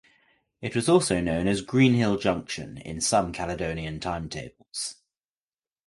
It was also known as Greenhill Junction in some Caledonian timetables.